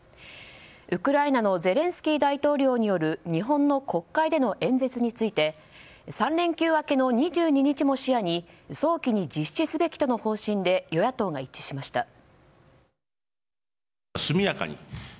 ウクライナのゼレンスキー大統領による日本の国会での演説について３連休明けの２２日も視野に早期に実施すべきとの方針で与野党が一致しました。